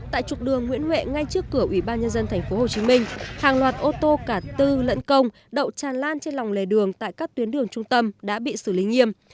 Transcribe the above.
tại trục đường nguyễn huệ ngay trước cửa ủy ban nhân dân tp hcm hàng loạt ô tô cả tư lẫn công đậu tràn lan trên lòng lề đường tại các tuyến đường trung tâm đã bị xử lý nghiêm